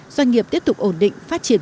doanh nghiệp tiếp tục ổn định phát triển